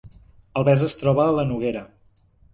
Albesa es troba a la Noguera